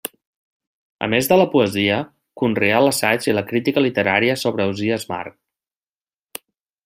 A més de la poesia, conreà l'assaig i la crítica literària sobre Ausiàs March.